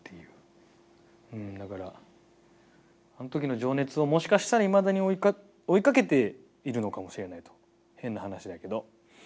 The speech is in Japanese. だからあん時の情熱をもしかしたらいまだに追いかけているのかもしれないと変な話だけど。